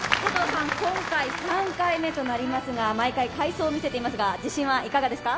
今回３回目となりますが、毎回快走を見せていますが、自信はいかがですか？